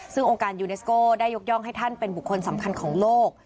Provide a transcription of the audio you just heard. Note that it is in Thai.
ซึ่งองค์การยูเนสโก้ได้ยกย่องให้ท่านเป็นบุคคลสำคัญของโลก